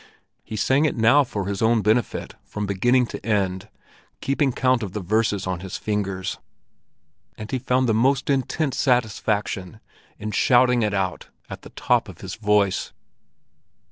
He sang it now for his own benefit from beginning to end, keeping count of the verses on his fingers; and he found the most intense satisfaction in shouting it out at the top of his voice.